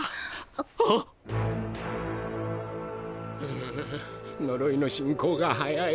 むぅ呪いの進行が早い。